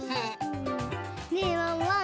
ねえワンワン